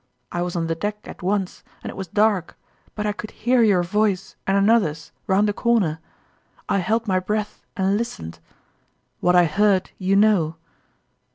I was on the deck at once, and it was dark, but I could hear your voice and another's round a corner. I held my breath and listened. What I heard, you know